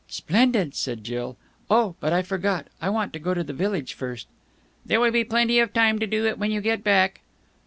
"Splendid!" said Jill. "Oh, but I forgot. I want to go to the village first." "There will be plenty of time to do it when you get back."